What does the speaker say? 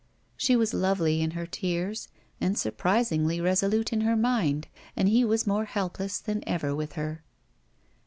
She was lovely in her tears and surprisingly reso lute in her mind, and he was more helpless than ever with her.